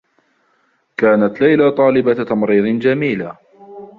كانت ليلى طالبة تمريض جميلة.